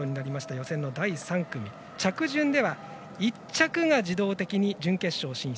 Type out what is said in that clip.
予選の第３組着順では１着が自動的に準決勝進出。